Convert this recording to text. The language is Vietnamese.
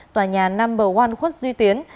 tòa nhà no một khuất duy tiến